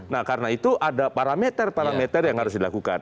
nah karena itu ada parameter parameter yang harus dilakukan